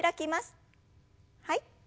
はい。